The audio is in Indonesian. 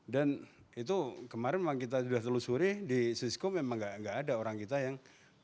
dan itu kemarin memang kita sudah telusuri di cisco memang enggak ada orang kita yang